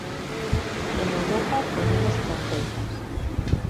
En Europa poñemos fronteiras.